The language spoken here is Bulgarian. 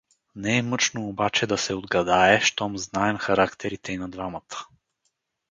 Не е мъчно обаче да се отгадае, щом знаем характерите и на двамата.